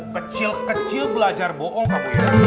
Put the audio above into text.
kecil kecil belajar bohong kamu ya